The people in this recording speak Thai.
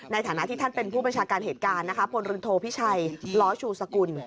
ในฐานะที่ท่านเป็นผู้บัญชาการเหตุการณ์นะคะพลเรือนโทพิชัยล้อชูสกุล